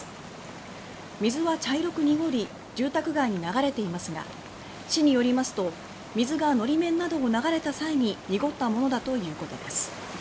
水は茶色く濁り住宅街に流れていますが市によりますと水が法面などを流れた際に濁ったものだということです。